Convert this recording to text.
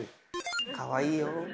かわいいよ。